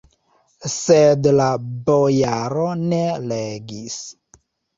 Sed la bojaro ne legis.